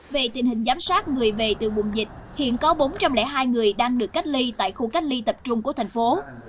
về tình hình giám sát người về từ vùng dịch hiện có bốn trăm linh hai người đang được cách ly tại khu cách ly tập trung của thành phố